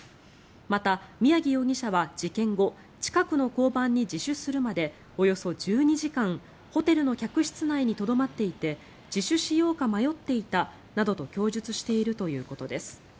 また、宮城容疑者は事件後近くの交番に自首するまでおよそ１２時間ホテルの客室内にとどまっていて自首しようか迷っていたなどと供述しているということです。